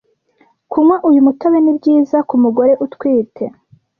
kunywa uyu mutobe nibyiza ku mugore utwite